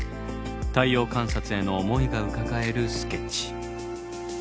太陽観察への思いがうかがえるスケッチ。